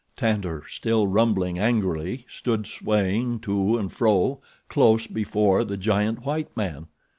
Tantor, still rumbling angrily, stood swaying to and fro close before the giant white man.